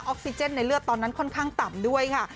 ออกซิเจนในเลือดตอนนั้นค่อนข้างต่ำด้วยค่ะ